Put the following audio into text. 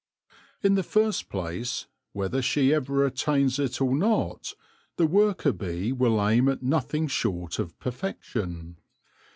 In the first place, whether she ever attains it or not, the worker bee will aim at nothing short of perfection.